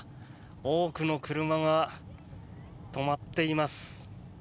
多くの車が止まっています。